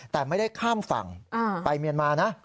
แต่ไม่ได้ข้ามฝั่งไปเมียนมานะ